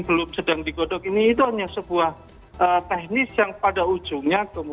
belum sedang digodok